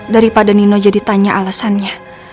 daripada nino jadi tanya alasannya